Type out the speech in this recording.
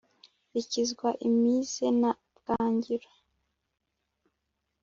zikizwa imize na bwagiro,